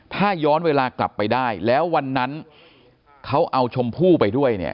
ถ้าย้อนเวลากลับไปได้แล้ววันนั้นเขาเอาชมพู่ไปด้วยเนี่ย